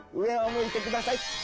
上を向いてください」。